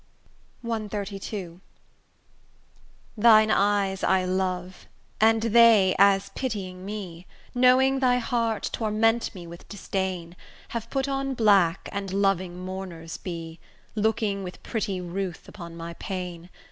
CXXXII Thine eyes I love, and they, as pitying me, Knowing thy heart torment me with disdain, Have put on black and loving mourners be, Looking with pretty ruth upon my pain.